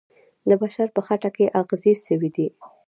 د بشر په خټه کې اغږل سوی دی.